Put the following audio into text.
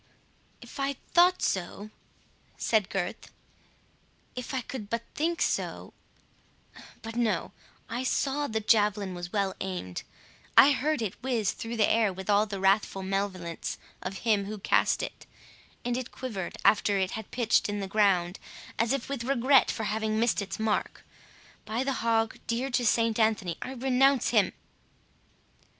"If I thought so," said Gurth—"if I could but think so—but no—I saw the javelin was well aimed—I heard it whizz through the air with all the wrathful malevolence of him who cast it, and it quivered after it had pitched in the ground, as if with regret for having missed its mark. By the hog dear to St Anthony, I renounce him!"